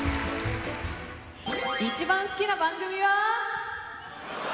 一番好きな番組は？